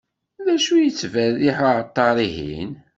D acu yettberriḥ uεeṭṭar-ihin?